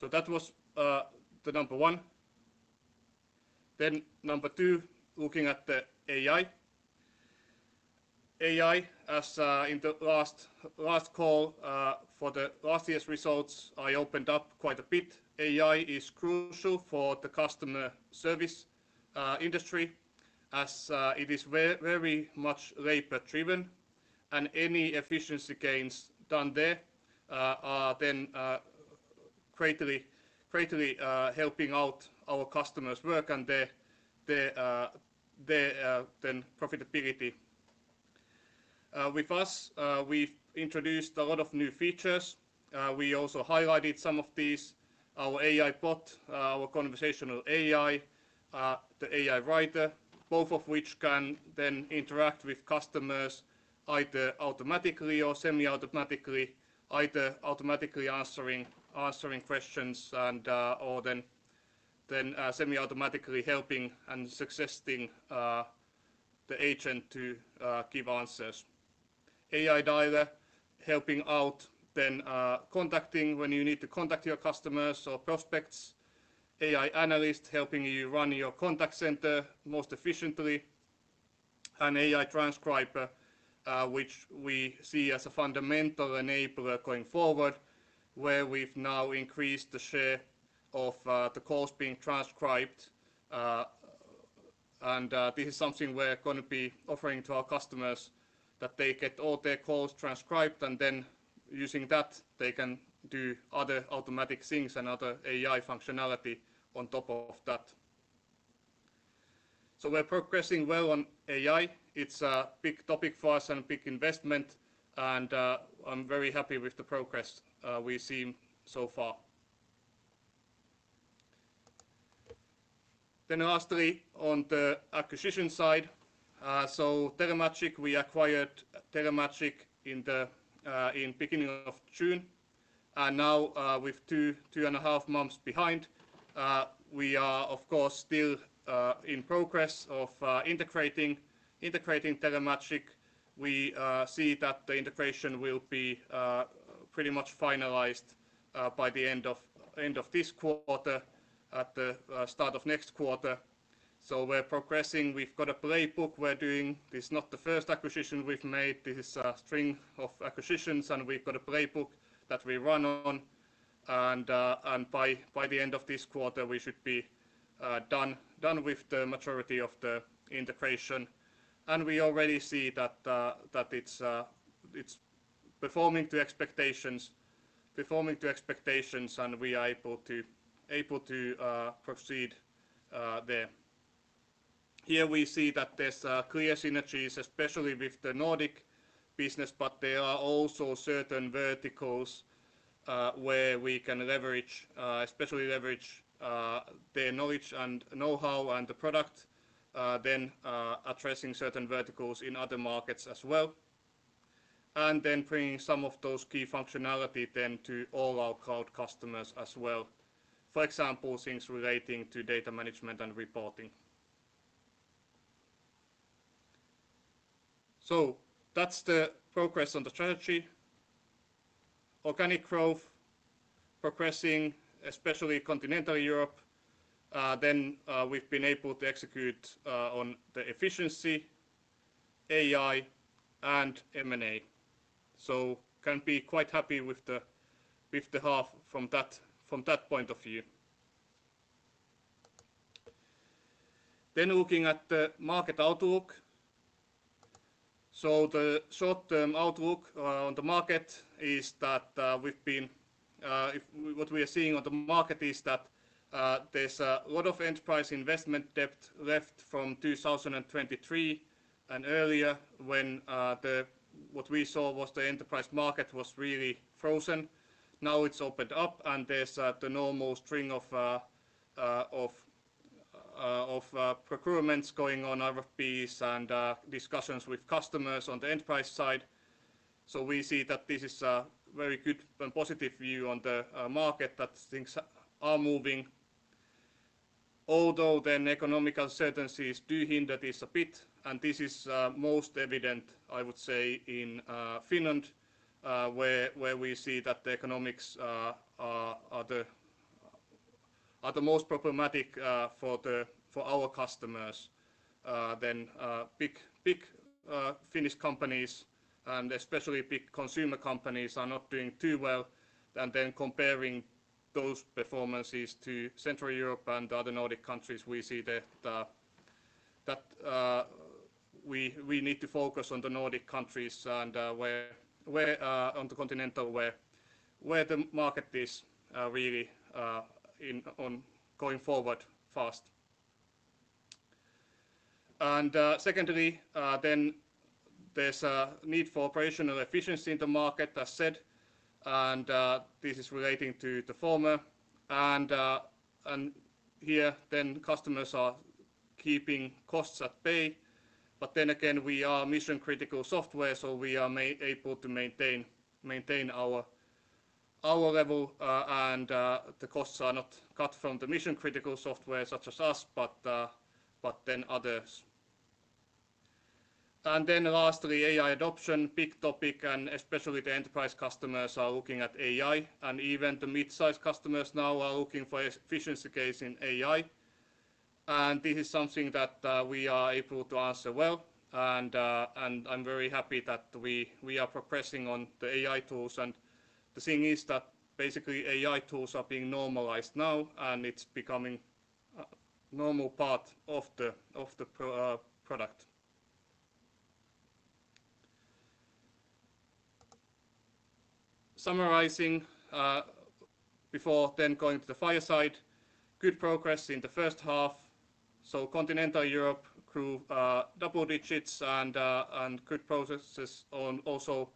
So that was the number one. Then number two, looking at the AI. AI, as in the last call for the last year's results, I opened up quite a bit. AI is crucial for the customer service industry, as it is very much labor driven, and any efficiency gains done there are then greatly helping out our customers work and their profitability. With us, we've introduced a lot of new features. We also highlighted some of these, our AI Bot, our conversational AI, the AI Writer, both of which can then interact with customers either automatically or semi-automatically, either automatically answering questions or semi-automatically helping and suggesting the agent to give answers. AI Dialer, helping out then, contacting when you need to contact your customers or prospects. AI Analyst, helping you run your contact center most efficiently. An AI Transcriber, which we see as a fundamental enabler going forward, where we've now increased the share of the calls being transcribed. And this is something we're gonna be offering to our customers, that they get all their calls transcribed, and then using that, they can do other automatic things and other AI functionality on top of that. So we're progressing well on AI. It's a big topic for us and a big investment, and I'm very happy with the progress we've seen so far. Then lastly, on the acquisition side, so Telemagic, we acquired Telemagic in the beginning of June, and now, with two and a half months behind, we are, of course, still in progress of integrating Telemagic. We see that the integration will be pretty much finalized by the end of this quarter, at the start of next quarter. So we're progressing. We've got a playbook we're doing. This is not the first acquisition we've made. This is a string of acquisitions, and we've got a playbook that we run on, and by the end of this quarter, we should be done with the majority of the integration. We already see that it's performing to expectations, performing to expectations, and we are able to proceed there. Here we see that there's clear synergies, especially with the Nordic business, but there are also certain verticals where we can leverage, especially leverage, their knowledge and know-how and the product, then addressing certain verticals in other markets as well, and then bringing some of those key functionality then to all our cloud customers as well. For example, things relating to data management and reporting. So that's the progress on the strategy. Organic growth progressing, especially Continental Europe. Then we've been able to execute on the efficiency, AI, and M&A. So can be quite happy with the half from that point of view. Then looking at the market outlook. So the short-term outlook on the market is that, what we are seeing on the market is that, there's a lot of enterprise investment debt left from 2023 and earlier, when what we saw was the enterprise market was really frozen. Now it's opened up, and there's the normal string of procurements going on, RFPs and discussions with customers on the enterprise side. So we see that this is a very good and positive view on the market, that things are moving. Although, then economic uncertainties do hinder this a bit, and this is most evident, I would say, in Finland, where we see that the economics are the most problematic for our customers. Then, big, big, Finnish companies, and especially big consumer companies, are not doing too well. Comparing those performances to Central Europe and other Nordic countries, we see that we need to focus on the Nordic countries and where on the continental, where the market is really in on going forward fast. Secondly, then there's a need for operational efficiency in the market, as said, and this is relating to the former. And here then customers are keeping costs at bay, but then again, we are mission-critical software, so we are able to maintain, maintain our level, and the costs are not cut from the mission-critical software such as us, but then others.... And then lastly, AI adoption, big topic, and especially the enterprise customers are looking at AI, and even the mid-size customers now are looking for efficiency case in AI. And this is something that, we are able to answer well, and, and I'm very happy that we, we are progressing on the AI tools. And the thing is that basically AI tools are being normalized now, and it's becoming a normal part of the, of the pro, product. Summarizing, before then going to the fireside, good progress in the first half. So Continental Europe grew, double digits and, and good progress on also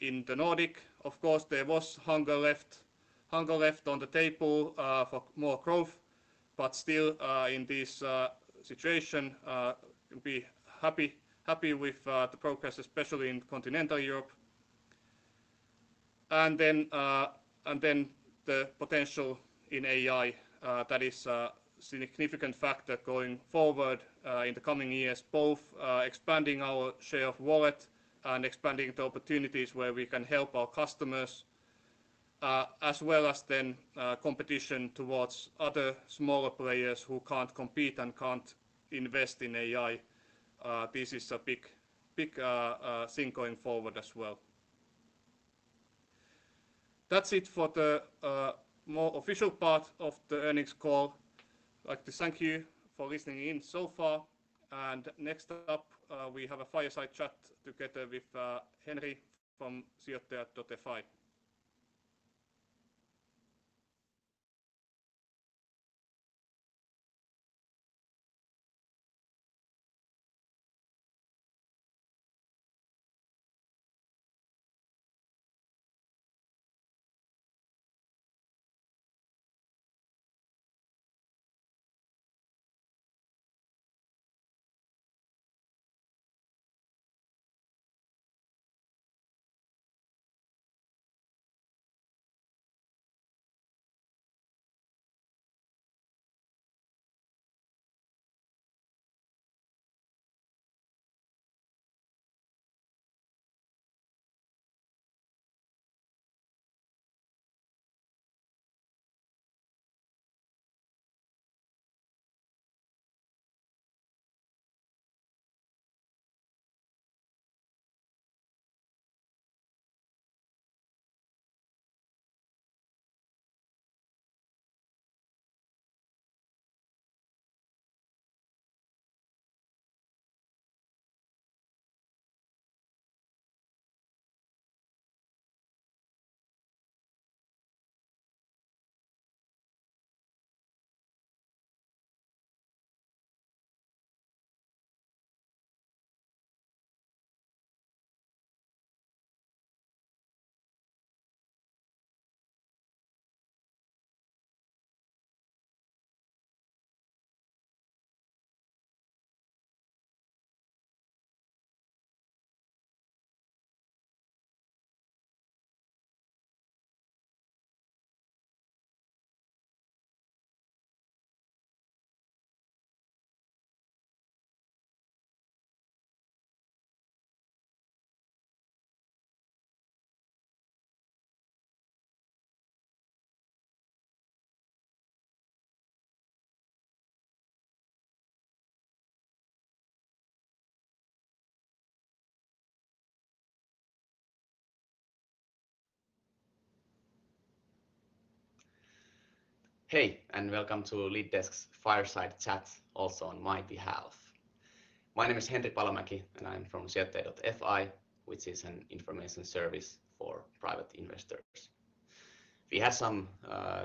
in the Nordic. Of course, there was hunger left, hunger left on the table, for more growth, but still, in this, situation, we'll be happy, happy with, the progress, especially in Continental Europe And then the potential in AI, that is a significant factor going forward, in the coming years, both expanding our share of wallet and expanding the opportunities where we can help our customers, as well as then competition towards other smaller players who can't compete and can't invest in AI. This is a big, big thing going forward as well. That's it for the more official part of the earnings call. I'd like to thank you for listening in so far, and next up we have a fireside chat together with Henri from Sijoittaja.fi. Hey, and welcome to LeadDesk's Fireside Chat, also on my behalf. My name is Henri Palomäki, and I'm from Sijoittaja.fi, which is an information service for private investors. We had some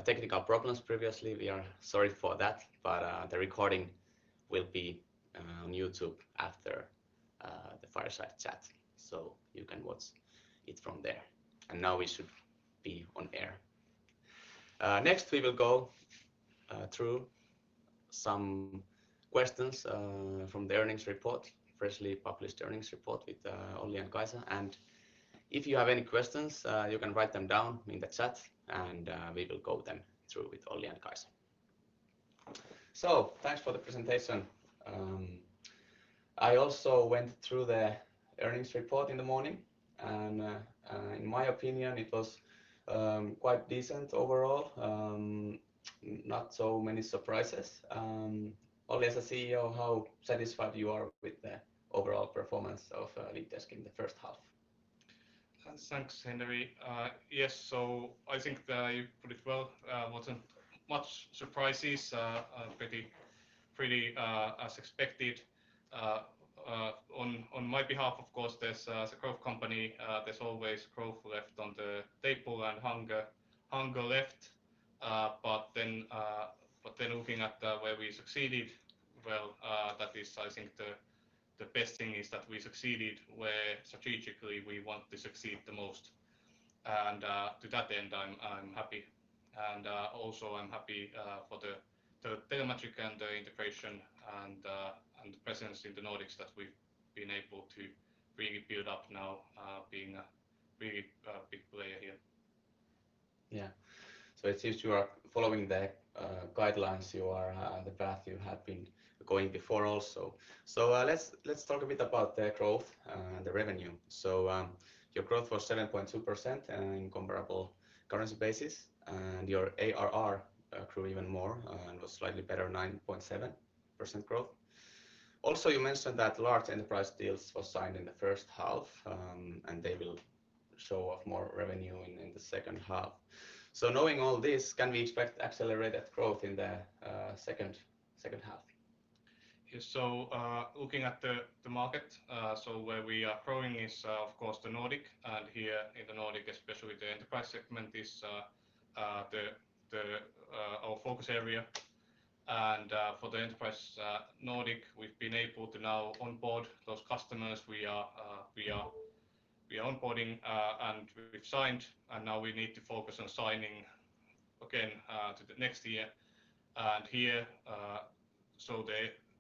technical problems previously. We are sorry for that, but the recording will be on YouTube after the Fireside Chat, so you can watch it from there. Now we should be on air. Next, we will go through some questions from the earnings report, freshly published earnings report with Olli and Kaisa. And if you have any questions, you can write them down in the chat, and we will go them through with Olli and Kaisa. So thanks for the presentation. I also went through the earnings report in the morning, and in my opinion, it was quite decent overall. Not so many surprises. Olli, as a CEO, how satisfied you are with the overall performance of LeadDesk in the first half? Thanks, Henri. Yes, so I think that you put it well. Wasn't much surprises, pretty as expected. On my behalf, of course, there's, as a growth company, there's always growth left on the table and hunger left. But then looking at where we succeeded, well, that is... I think the best thing is that we succeeded where strategically we want to succeed the most. And to that end, I'm happy. And also I'm happy for the Telemagic and the integration and presence in the Nordics that we've been able to really build up now, being a really big player here.... Yeah. So it seems you are following the guidelines, you are on the path you have been going before also. So, let's, let's talk a bit about the growth and the revenue. So, your growth was 7.2% and in comparable currency basis, and your ARR grew even more and was slightly better, 9.7% growth. Also, you mentioned that large enterprise deals were signed in the first half, and they will show off more revenue in the second half. So knowing all this, can we expect accelerated growth in the second, second half? Yeah. So, looking at the market, so where we are growing is, of course, the Nordic, and here in the Nordic, especially the enterprise segment, is our focus area. And, for the enterprise Nordic, we've been able to now onboard those customers. We are onboarding, and we've signed, and now we need to focus on signing again, to the next year. And here, so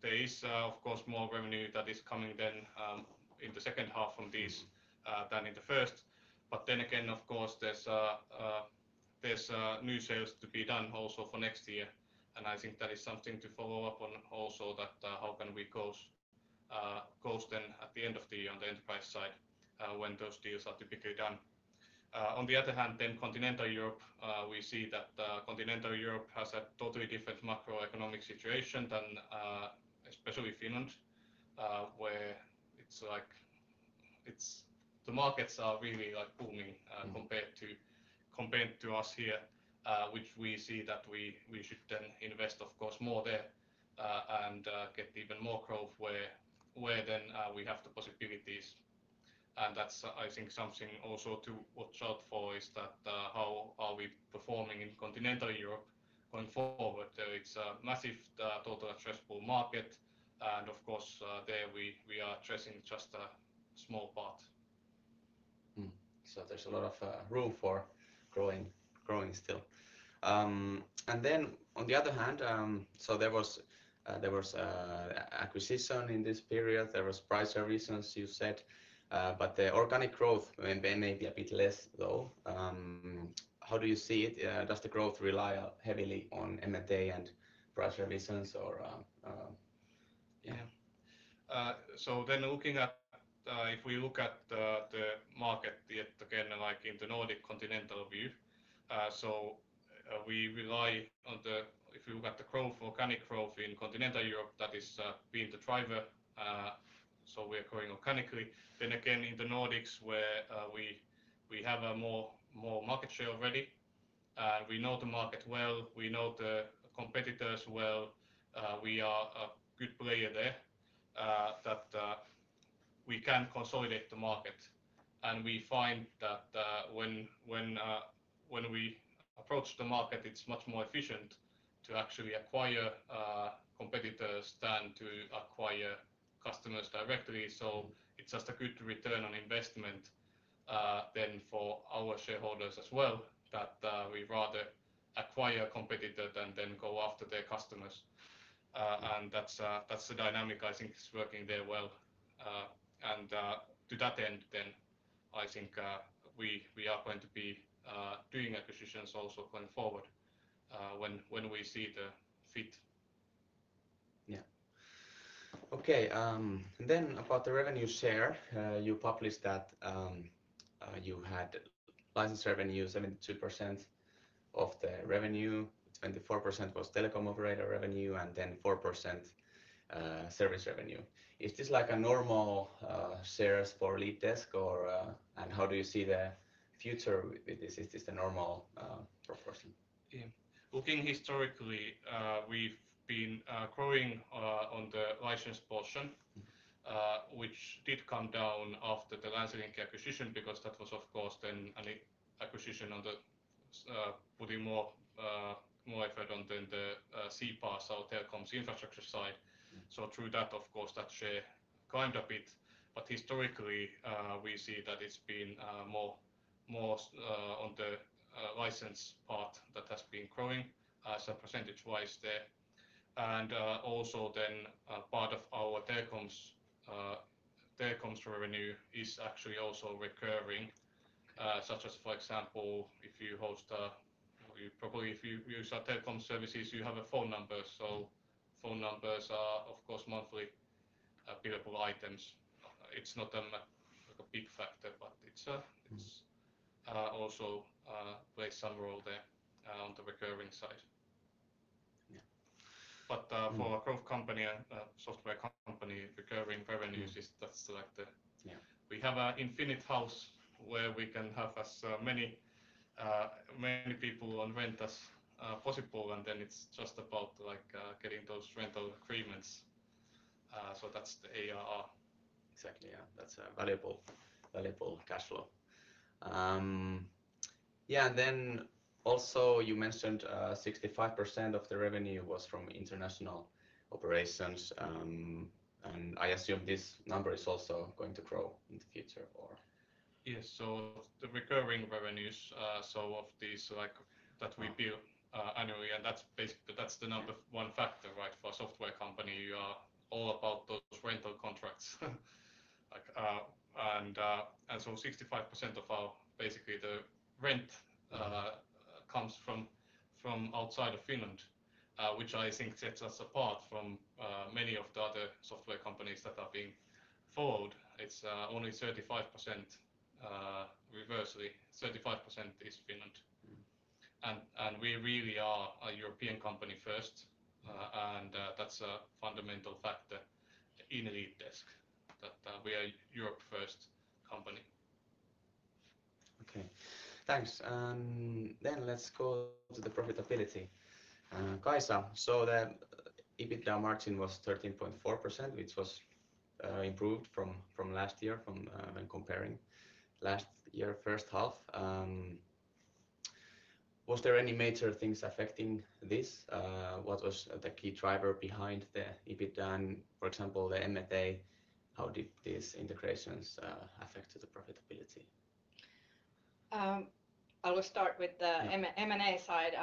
there is, of course, more revenue that is coming then, in the second half from this, than in the first. But then again, of course, there's new sales to be done also for next year, and I think that is something to follow up on also that how can we close then at the end of the year on the enterprise side when those deals are typically done? On the other hand, then Continental Europe, we see that Continental Europe has a totally different macroeconomic situation than especially Finland where it's like. It's the markets are really like booming compared to us here which we see that we should then invest of course more there and get even more growth where then we have the possibilities. And that's, I think, something also to watch out for, is that how are we performing in Continental Europe going forward? So it's a massive total addressable market, and of course, there we are addressing just a small part. So there's a lot of room for growing, growing still. And then on the other hand, so there was an acquisition in this period. There was price increases, you said, but the organic growth may be a bit less though. How do you see it? Does the growth rely heavily on M&A and price revisions or... Yeah. So then looking at the market yet again, like in the Nordic continental view, so we rely on the. If you look at the growth, organic growth in continental Europe, that is being the driver. So we are growing organically. Then again, in the Nordics, where we have a more market share already, we know the market well, we know the competitors well. We are a good player there, that we can consolidate the market. And we find that, when we approach the market, it's much more efficient to actually acquire competitors than to acquire customers directly. So it's just a good return on investment, then for our shareholders as well, that we rather acquire a competitor than go after their customers. And that's the dynamic I think is working there well. To that end, I think we are going to be doing acquisitions also going forward, when we see the fit. Yeah. Okay, then about the revenue share, you published that you had license revenue, 72% of the revenue, 24% was telecom operator revenue, and then 4%, service revenue. Is this like a normal shares for LeadDesk or, and how do you see the future with this? Is this the normal proportion? Yeah. Looking historically, we've been growing on the license portion- Mm... which did come down after the Länsilinkki acquisition, because that was of course then an acquisition on the putting more effort on the CPaaS or telecoms infrastructure side. Mm. So through that, of course, that share climbed a bit, but historically, we see that it's been more, more on the license part that has been growing, so percentage-wise there. And also then, a part of our telecoms, telecoms revenue is actually also recurring, such as, for example, if you host a... Well, you probably if you use our telecom services, you have a phone number, so phone numbers are, of course, monthly billable items. It's not a, like, a big factor, but it's, Mm... it's also plays some role there on the recurring side. Yeah. But, for a growth company and a software company, recurring revenues- Mm... is, that's like the- Yeah... We have an infinite house where we can have as many many people on rent as possible, and then it's just about, like, getting those rental agreements. So that's the ARR. Exactly, yeah. That's a valuable, valuable cash flow. Yeah, and then also you mentioned 65% of the revenue was from international operations. And I assume this number is also going to grow in the future, or? Yes. So the recurring revenues, so of these, like that we bill annually, and that's basically, that's the number one factor, right? For a software company, you are all about those rental contracts. Like, and, and so 65% of our basically the rent comes from outside of Finland, which I think sets us apart from many of the other software companies that are being followed. It's only 35%, reversely, 35% is Finland. Mm. And we really are a European company first, and that's a fundamental factor in LeadDesk, that we are Europe-first company. Okay, thanks. Then let's go to the profitability. Kaisa, so the EBITDA margin was 13.4%, which was improved from last year first half. Was there any major things affecting this? What was the key driver behind the EBITDA and, for example, the M&A? How did these integrations affect the profitability? I will start with the M&A side.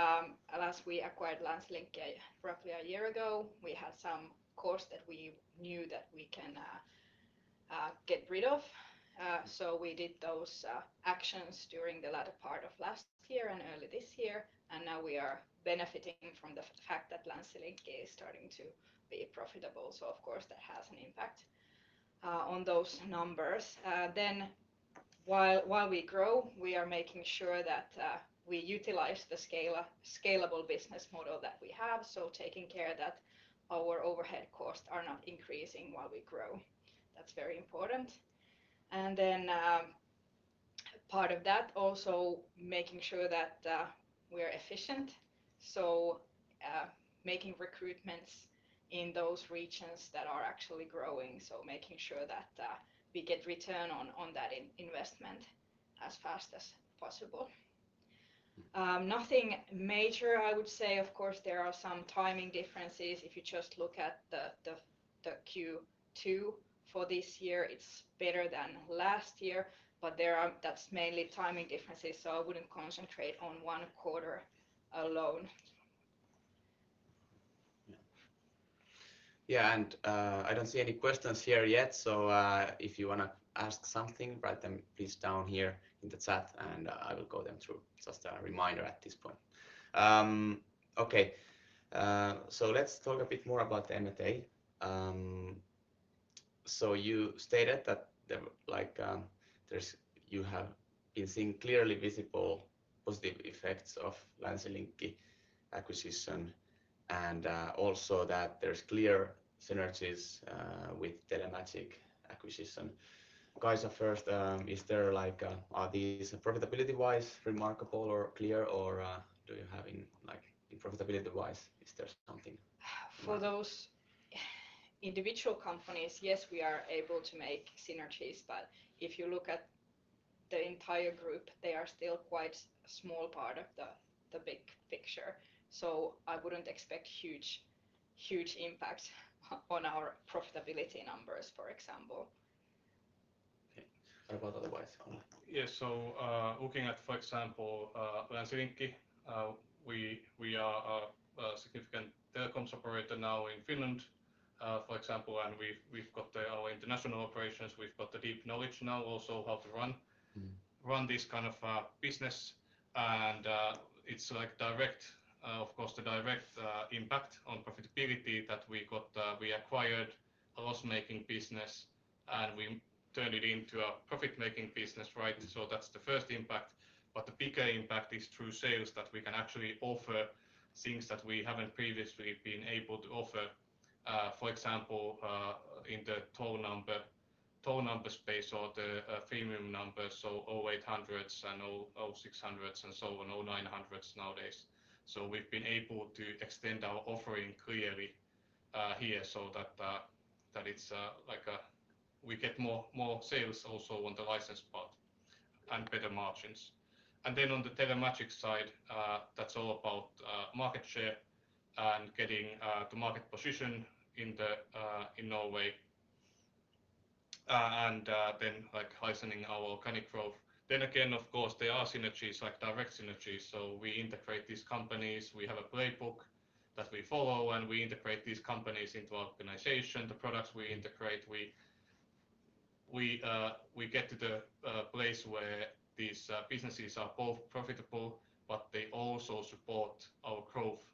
Last we acquired Länsilinkki roughly a year ago. We had some costs that we knew that we can get rid of. So we did those actions during the latter part of last year and early this year, and now we are benefiting from the fact that Länsilinkki is starting to be profitable. So of course, that has an impact on those numbers. Then while we grow, we are making sure that we utilize the scalable business model that we have, so taking care that our overhead costs are not increasing while we grow. That's very important. And then, part of that, also making sure that, we're efficient, so, making recruitments in those regions that are actually growing, so making sure that, we get return on that investment as fast as possible. Nothing major I would say. Of course, there are some timing differences. If you just look at the Q2 for this year, it's better than last year, but there are... That's mainly timing differences, so I wouldn't concentrate on one quarter alone. Yeah. Yeah, and, I don't see any questions here yet, so, if you wanna ask something, write them please down here in the chat, and, I will go them through. Just a reminder at this point. Okay, so let's talk a bit more about the M&A. So you stated that the, like, you have been seeing clearly visible positive effects of Länsilinkki acquisition, and, also that there's clear synergies, with Telemagic acquisition. Kaisa, first, is there like, are these profitability-wise remarkable or clear, or, do you have in, like, in profitability-wise, is there something? For those individual companies, yes, we are able to make synergies, but if you look at the entire group, they are still quite a small part of the big picture. So I wouldn't expect huge, huge impact on our profitability numbers, for example. Okay. How about otherwise, Olli? Yes, so, looking at, for example, Länsilinkki, we are a significant telecoms operator now in Finland, for example, and we've got our international operations, we've got the deep knowledge now also how to run- Mm... run this kind of business. And, it's like, of course, the direct impact on profitability that we got, we acquired a loss-making business, and we turned it into a profit-making business, right? Mm. That's the first impact. But the bigger impact is through sales, that we can actually offer things that we haven't previously been able to offer. For example, in the toll number space or the premium numbers, so 0800s and 0600s and so on, 0900s nowadays. We've been able to extend our offering clearly here so that it's like we get more sales also on the license part and better margins. And then on the Telemagic side, that's all about market share and getting the market position in Norway and then like heightening our organic growth. Then again, of course, there are synergies, like direct synergies, so we integrate these companies. We have a playbook that we follow, and we integrate these companies into our organization. The products we integrate, we get to the place where these businesses are both profitable, but they also support our growth,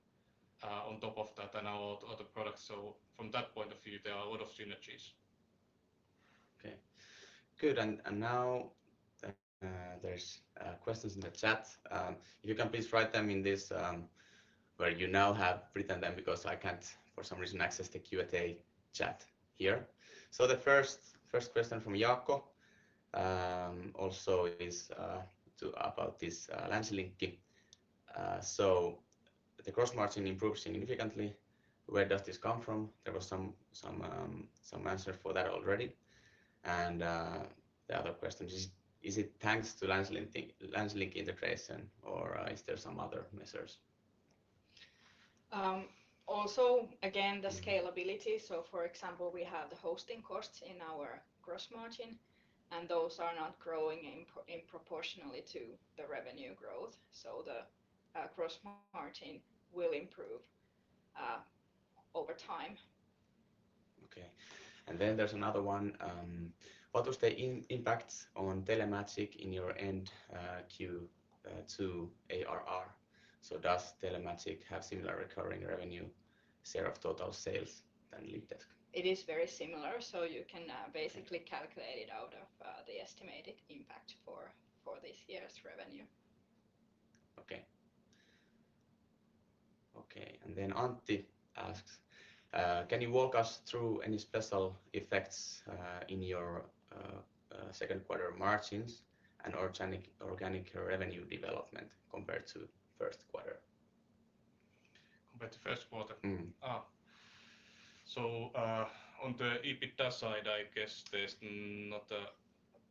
on top of that and our other products. So from that point of view, there are a lot of synergies. Okay. Good, and now there's questions in the chat. If you can please write them in this, where you now have written them, because I can't, for some reason, access the Q&A chat here. So the first question from Jaakko also is about this Länsilinkki. So the gross margin improved significantly. Where does this come from? There was some answer for that already. And the other question is: Is it thanks to Länsilinkki integration, or is there some other measures?... also, again, the scalability. So for example, we have the hosting costs in our gross margin, and those are not growing in proportionally to the revenue growth, so the gross margin will improve over time. Okay. And then there's another one: What was the impact on Telemagic in your year-end Q2 ARR? So does Telemagic have similar recurring revenue share of total sales than LeadDesk? It is very similar, so you can basically calculate it out of the estimated impact for this year's revenue. Okay. Okay, and then Antti asks: "Can you walk us through any special effects in your second quarter margins and organic, organic revenue development compared to first quarter? Compared to first quarter? Mm-hmm. So, on the EBITDA side, I guess there's not a-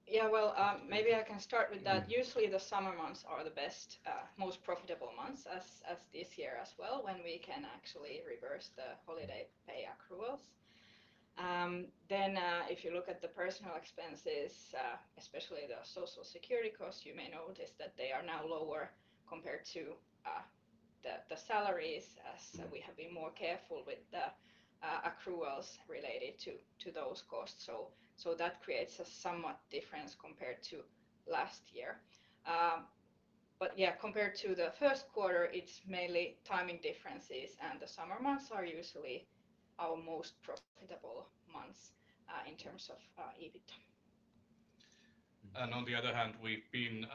Yeah, well, maybe I can start with that. Mm-hmm. Usually, the summer months are the best, most profitable months, as, as this year as well, when we can actually reverse the holiday pay accruals. Then, if you look at the personnel expenses, especially the social security costs, you may notice that they are now lower compared to, the, the salaries. Mm... so we have been more careful with the accruals related to those costs. So that creates a somewhat difference compared to last year. But yeah, compared to the first quarter, it's mainly timing differences, and the summer months are usually our most profitable months in terms of EBITDA. On the other hand, we've been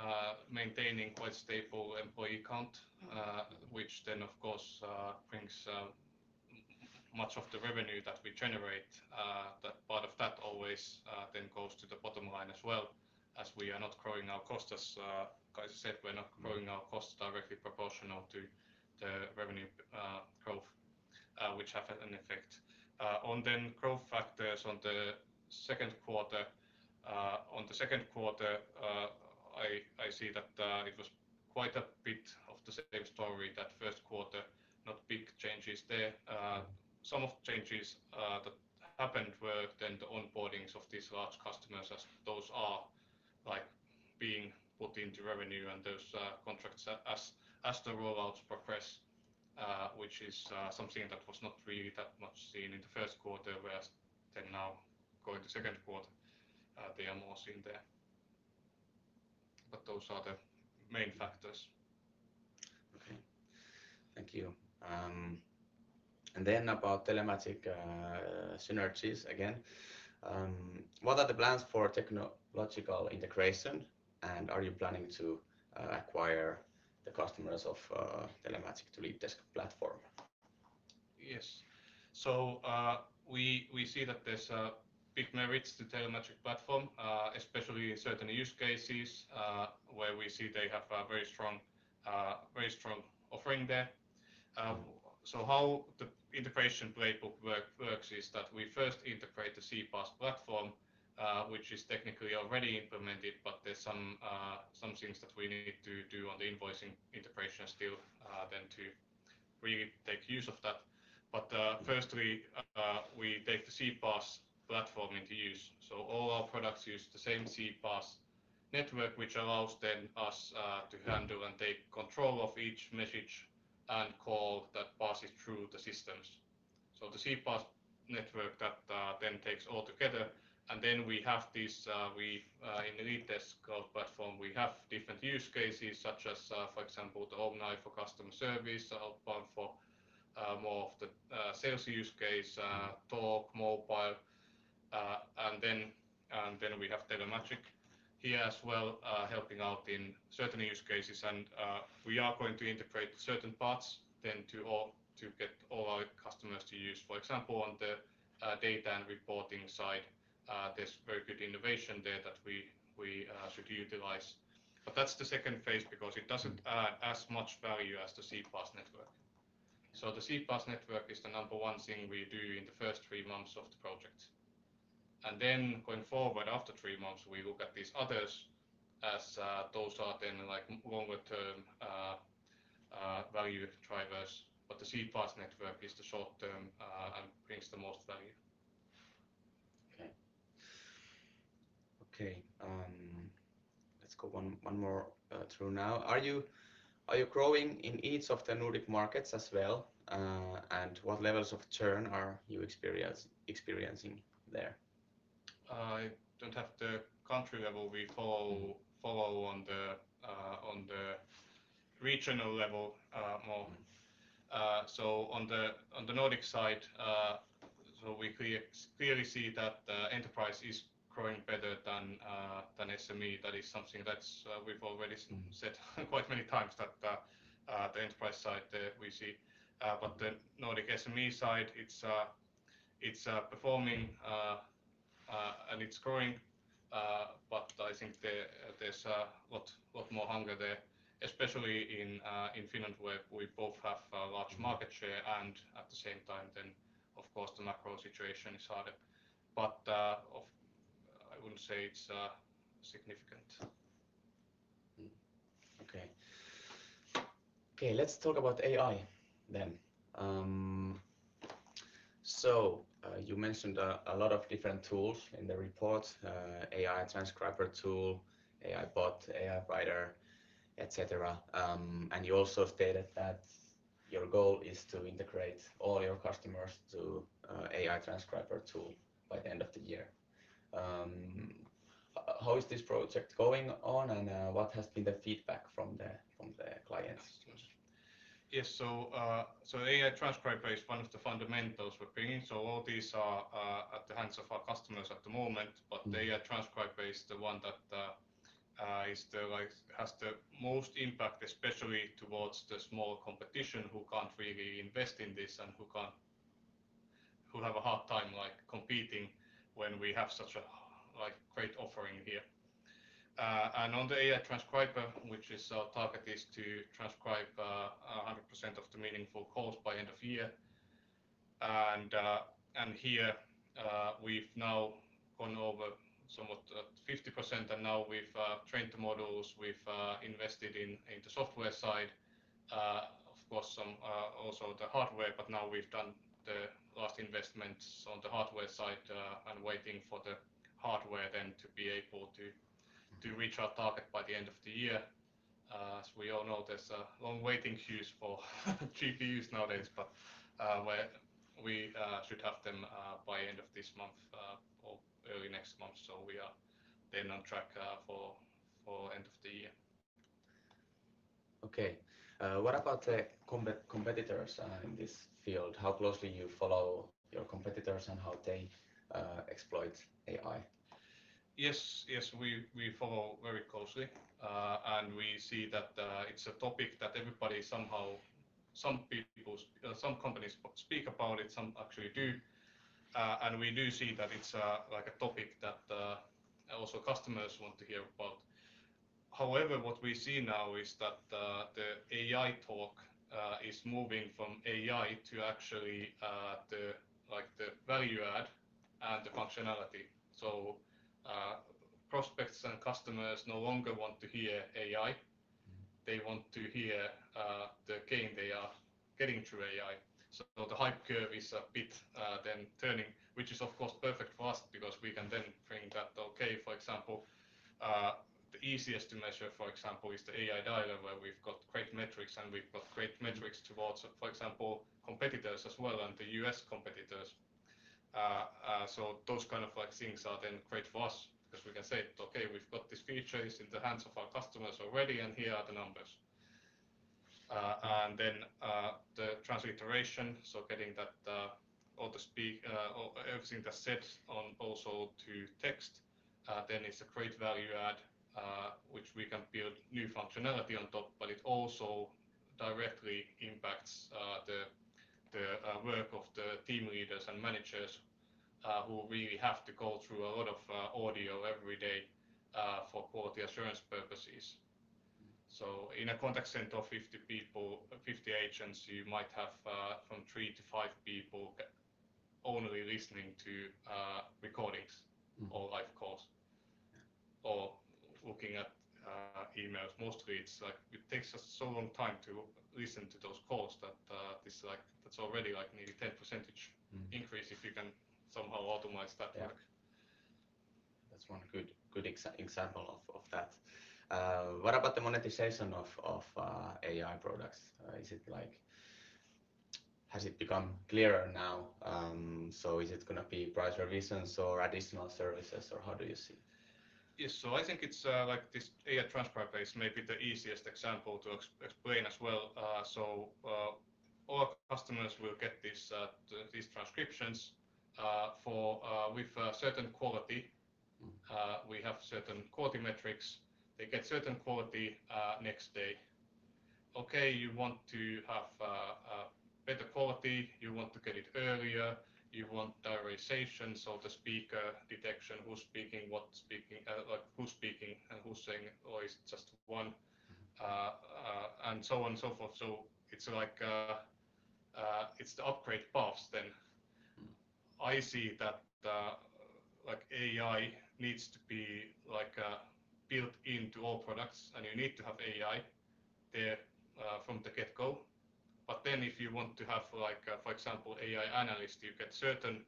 maintaining quite stable employee count- Mm-hmm... which then, of course, brings, much of the revenue that we generate, that part of that always, then goes to the bottom line as well, as we are not growing our costs. As, Kaisa said, we're not growing our costs directly proportional to the revenue, growth, which have an effect. On then growth factors on the second quarter, on the second quarter, I see that, it was quite a bit of the same story, that first quarter, not big changes there. Some of the changes that happened were then the onboardings of these large customers, as those are, like, being put into revenue and those contracts as the rollouts progress, which is something that was not really that much seen in the first quarter, whereas then now, going to second quarter, they are more seen there. But those are the main factors. Okay. Thank you. And then about Telemagic, synergies again. What are the plans for technological integration, and are you planning to acquire the customers of Telemagic to LeadDesk platform? Yes. So, we see that there's a big merit to Telemagic's platform, especially in certain use cases, where we see they have a very strong, very strong offering there. So how the integration playbook work, works is that we first integrate the CPaaS platform, which is technically already implemented, but there's some, some things that we need to do on the invoicing integration still, then to really take use of that. But, firstly, we take the CPaaS platform into use, so all our products use the same CPaaS network, which allows then us, to handle and take control of each message and call that passes through the systems. So the CPaaS network that then takes all together, and then we have these, in the LeadDesk platform, we have different use cases, such as, for example, the Omni for customer service, the outbound for more of the sales use case, Talk mobile, and then we have Telemagic here as well, helping out in certain use cases. And we are going to integrate certain parts then to all our customers to use. For example, on the data and reporting side, there's very good innovation there that we should utilize. But that's the second phase because it doesn't add as much value as the CPaaS network. So the CPaaS network is the number one thing we do in the first three months of the project. And then going forward, after three months, we look at these others as, those are then, like, longer-term, value drivers. But the CPaaS network is the short term, and brings the most value. Okay. Okay, let's go one more through now. Are you growing in each of the Nordic markets as well? And what levels of churn are you experiencing there? I don't have the country level. We follow on the regional level more. So on the Nordic side, so we clearly see that the enterprise is growing better than SME. That is something that's we've already said quite many times, that the enterprise side we see. But the Nordic SME side, it's performing and it's growing, but I think there, there's a lot more hunger there, especially in Finland, where we both have a large market share and, at the same time, then, of course, the macro situation is harder. But I wouldn't say it's significant.... Mm-hmm. Okay. Okay, let's talk about AI then. So, you mentioned a lot of different tools in the report, AI Transcriber tool, AI Bot, AI Writer, et cetera. And you also stated that your goal is to integrate all your customers to AI Transcriber tool by the end of the year. How is this project going on? And, what has been the feedback from the clients? Yes, so, so AI Transcriber is one of the fundamentals we're bringing. So all these are, at the hands of our customers at the moment, but the AI Transcriber is the one that, is the, like, has the most impact, especially towards the small competition, who can't really invest in this and who can't-- who have a hard time, like, competing when we have such a, like, great offering here. And on the AI Transcriber, which is our target, is to transcribe, 100% of the meaningful calls by end of year. And, and here, we've now gone over somewhat, 50%, and now we've, trained the models. We've invested in the software side, of course, some also the hardware, but now we've done the last investments on the hardware side, and waiting for the hardware then to be able to reach our target by the end of the year. As we all know, there's long waiting queues for GPUs nowadays, but we should have them by end of this month or early next month. So we are then on track for end of the year. Okay. What about the competitors in this field? How closely you follow your competitors and how they exploit AI? Yes, yes, we follow very closely. And we see that it's a topic that everybody somehow, some people, some companies speak about it, some actually do. And we do see that it's like a topic that also customers want to hear about. However, what we see now is that the AI talk is moving from AI to actually the like the value add and the functionality. So prospects and customers no longer want to hear AI. Mm-hmm. They want to hear the gain they are getting through AI. So the hype curve is a bit then turning, which is, of course, perfect for us because we can then frame that, okay, for example, the easiest to measure, for example, is the AI dialer, where we've got great metrics, and we've got great metrics towards, for example, competitors as well, and the U.S. competitors. So those kind of, like, things are then great for us because we can say, "Okay, we've got these features in the hands of our customers already, and here are the numbers." And then the transcription. So getting that, all the speech or everything that's said on also to text, then is a great value add, which we can build new functionality on top, but it also directly impacts the work of the team leaders and managers, who really have to go through a lot of audio every day for quality assurance purposes. So in a contact center of 50 people, 50 agents, you might have from 3 to 5 people only listening to recordings- Mm-hmm... or live calls- Yeah... or looking at emails. Mostly it's like, it takes us so long time to listen to those calls that, it's like, that's already like nearly 10%- Mm... increase if you can somehow automate that work. Yeah. That's one good example of that. What about the monetization of AI products? Is it like... Has it become clearer now? So is it gonna be price revisions or additional services, or how do you see? Yes. So I think it's like this AI Transcriber is maybe the easiest example to explain as well. So all customers will get these transcriptions with certain quality. Mm. We have certain quality metrics. They get certain quality next day. Okay, you want to have a better quality, you want to get it earlier, you want diarization, so the speaker detection, who's speaking, what speaking, like, who's speaking and who's saying, or it's just one, and so on and so forth. So it's like, it's the upgrade paths then. Mm-hmm. I see that, like AI needs to be, like, built into all products, and you need to have AI there, from the get-go. But then, if you want to have, like, for example, AI Analyst, you get certain,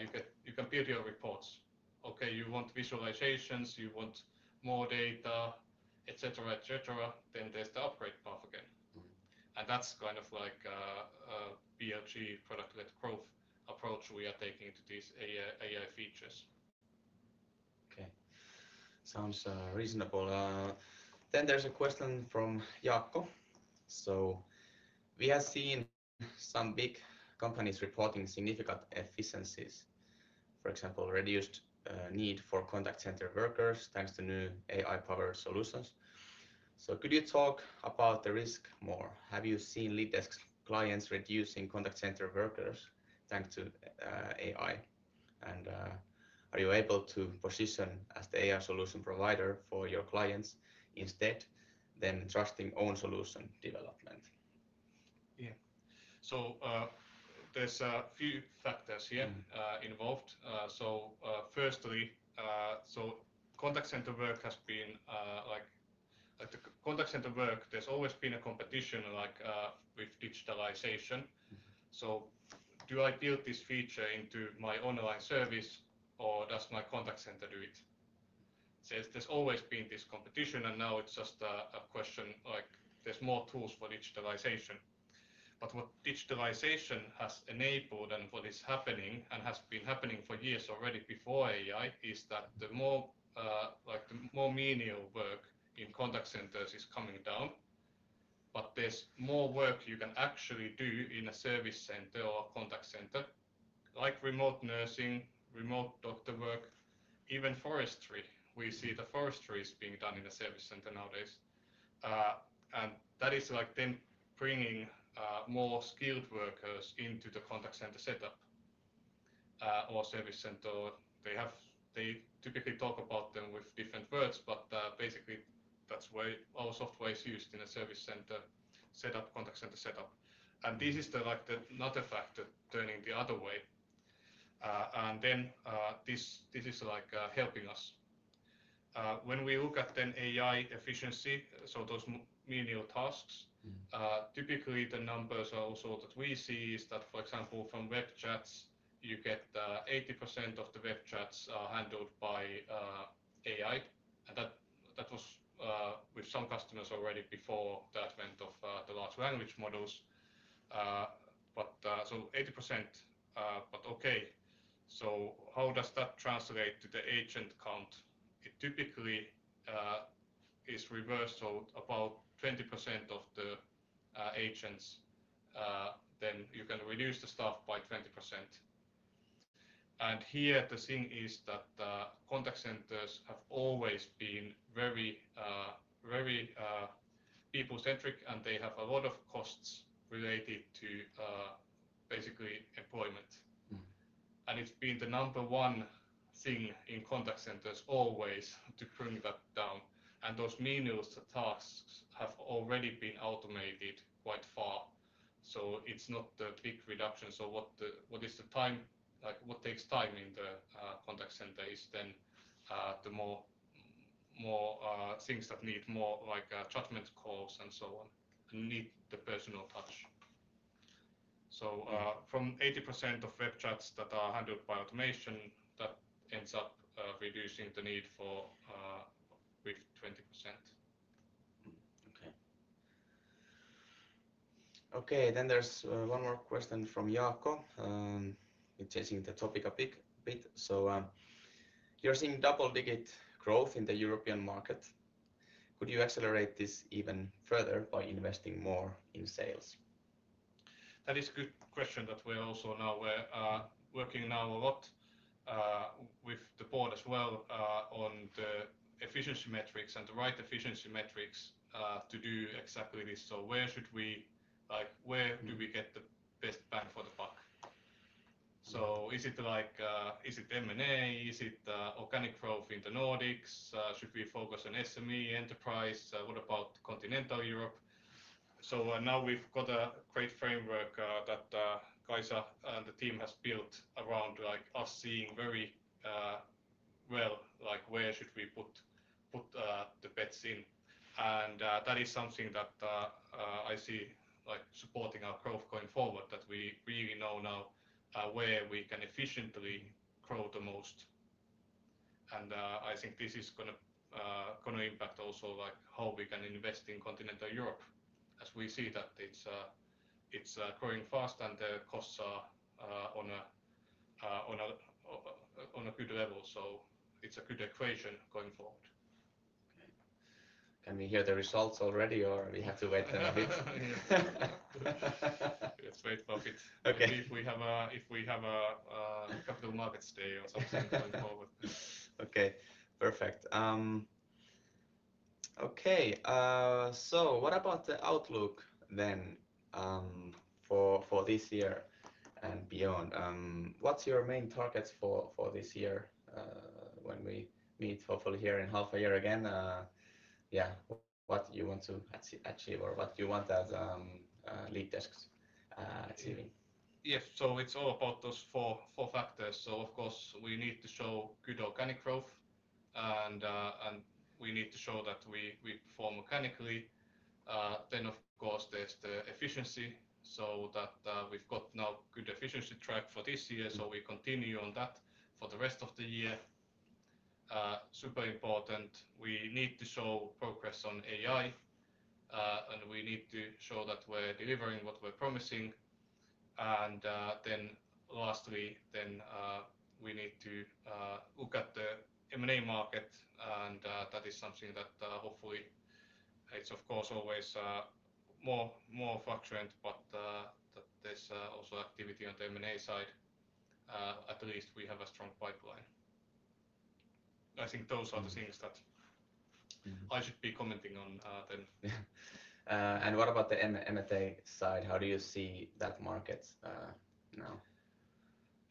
you can build your reports. Okay, you want visualizations, you want more data, et cetera, et cetera, then there's the upgrade path again. Mm-hmm. That's kind of like, a PLG, product-led growth, approach we are taking to these AI, AI features. Okay. Sounds reasonable. Then there's a question from Jaakko. So we have seen some big companies reporting significant efficiencies. For example, reduced need for contact center workers, thanks to new AI-powered solutions. So could you talk about the risk more? Have you seen LeadDesk clients reducing contact center workers, thanks to AI? And, are you able to position as the AI solution provider for your clients instead than trusting own solution development? ... Yeah. So, there's a few factors here, involved. So, firstly, so contact center work has been, like, at the contact center work, there's always been a competition, like, with digitalization. So do I build this feature into my online service, or does my contact center do it? So there's always been this competition, and now it's just a question, like, there's more tools for digitalization. But what digitalization has enabled and what is happening, and has been happening for years already before AI, is that the more, like, the more menial work in contact centers is coming down, but there's more work you can actually do in a service center or a contact center, like remote nursing, remote doctor work, even forestry. We see the forestry is being done in the service center nowadays. And that is like them bringing more skilled workers into the contact center setup, or service center. They typically talk about them with different words, but, basically, that's where our software is used in a service center setup, contact center setup. And this is the, like, the another factor turning the other way. And then, this is, like, helping us. When we look at then AI efficiency, so those menial tasks- Mm.... typically the numbers are also that we see is that, for example, from web chats, you get, 80% of the web chats are handled by AI. And that, that was, with some customers already before the advent of, the large language models. But, so 80%. But okay, so how does that translate to the agent count? It typically, is reversed, so about 20% of the, agents, then you can reduce the staff by 20%. And here the thing is that, contact centers have always been very, very, people-centric, and they have a lot of costs related to, basically employment. Mm. And it's been the number one thing in contact centers always to bring that down, and those menial tasks have already been automated quite far. So it's not a big reduction. So what is the time—like, what takes time in the contact center is then the more things that need more like judgment calls and so on, and need the personal touch. So, from 80% of web chats that are handled by automation, that ends up reducing the need for with 20%. Okay. Okay, then there's one more question from Jaakko. It's changing the topic a bit. So, you're seeing double-digit growth in the European market. Could you accelerate this even further by investing more in sales? That is a good question that we are also now working a lot with the board as well on the efficiency metrics and the right efficiency metrics to do exactly this. So where should we... Like, where- Mm... do we get the best bang for the buck? So is it like, is it M&A? Is it organic growth in the Nordics? Should we focus on SME enterprise? What about Continental Europe? So now we've got a great framework, that Kaisa and the team has built around, like, us seeing very well like, where should we put the bets in. And, that is something that I see, like, supporting our growth going forward, that we really know now, where we can efficiently grow the most. And, I think this is gonna gonna impact also, like, how we can invest in Continental Europe, as we see that it's growing fast and the costs are on a good level. So it's a good equation going forward. Okay. Can we hear the results already, or we have to wait a bit? Let's wait for a bit. Okay. If we have a capital markets day or something going forward. Okay, perfect. Okay, so what about the outlook then, for, for this year and beyond? What's your main targets for, for this year, when we meet, hopefully here in half a year again? Yeah, what do you want to achieve, or what do you want as LeadDesk, achieving? Yeah. So it's all about those four, four factors. So of course, we need to show good organic growth, and, and we need to show that we, we perform organically. Then, of course, there's the efficiency, so that, we've got now good efficiency track for this year, so we continue on that for the rest of the year. Super important, we need to show progress on AI, and we need to show that we're delivering what we're promising. And, then lastly, then, we need to, look at the M&A market, and, that is something that, hopefully, it's of course, always, more, more fluctuant, but, that there's, also activity on the M&A side. At least we have a strong pipeline. I think those are- Mm... the things that I should be commenting on, then. Yeah. And what about the M&A side? How do you see that market now?...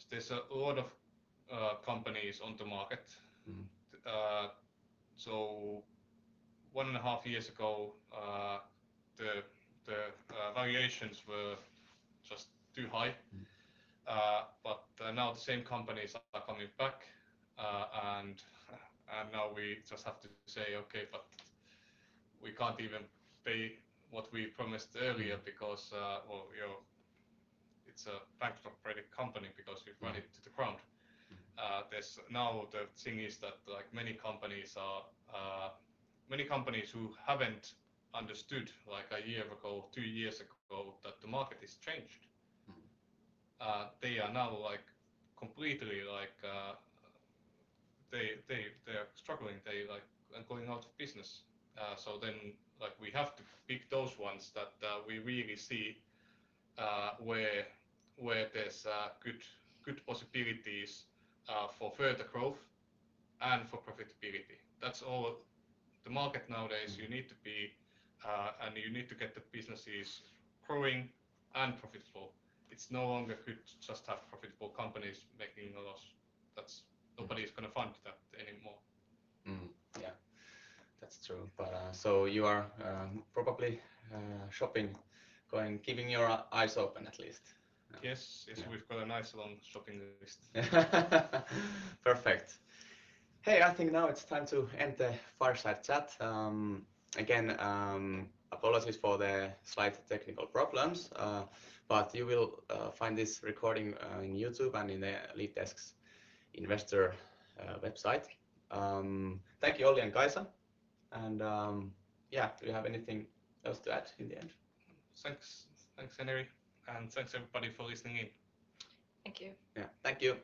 There's a lot of companies on the market. Mm-hmm. So one and a half years ago, the valuations were just too high. Mm. But, now the same companies are coming back, and now we just have to say, "Okay, but we can't even pay what we promised earlier- Mm... because, well, you know, it's a bankrupt credit company because we've run it to the ground. Mm. There's now the thing is that, like many companies are, many companies who haven't understood like a year ago, two years ago, that the market has changed. Mm-hmm. They are now like completely like, they are struggling. They, like, are going out of business. So then, like we have to pick those ones that we really see where there's good possibilities for further growth and for profitability. That's all. The market nowadays- Mm... you need to be, and you need to get the businesses growing and profitable. It's no longer good to just have profitable companies making a loss. That's- Mm... nobody's gonna fund that anymore. Mm-hmm. Yeah, that's true. But so you are probably shopping, going, keeping your eyes open at least? Yes. Yeah. Yes, we've got a nice long shopping list. Perfect. Hey, I think now it's time to end the Fireside Chat. Again, apologies for the slight technical problems, but you will find this recording in YouTube and in the LeadDesk's investor website. Thank you, Olli and Kaisa. And, yeah, do you have anything else to add in the end? Thanks. Thanks, Henri, and thanks, everybody, for listening in. Thank you. Yeah. Thank you.